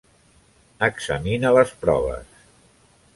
Examina les proves.